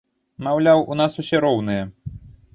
Маўляў, у нас усе роўныя.